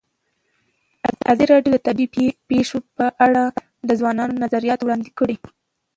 ازادي راډیو د طبیعي پېښې په اړه د ځوانانو نظریات وړاندې کړي.